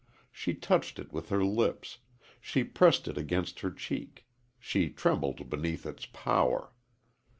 She touched it with her lips; she pressed it against her cheek; she trembled beneath its power.